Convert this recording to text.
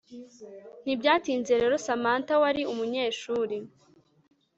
ntibyatinze rero Samantha wari umunyeshuri